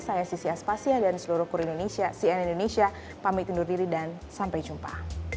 saya sisi aspasya dan seluruh kur indonesia cn indonesia pamit undur diri dan sampai jumpa